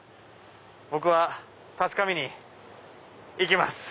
僕は確かめに行きます！